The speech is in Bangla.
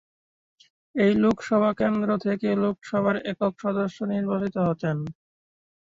এই লোকসভা কেন্দ্র থেকে লোকসভার একক সদস্য নির্বাচিত হতেন।